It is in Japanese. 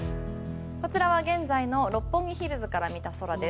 こちらは現在の六本木ヒルズから見た空です。